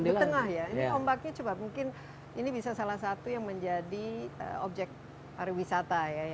ini ombaknya coba mungkin ini bisa salah satu yang menjadi objek para wisata ya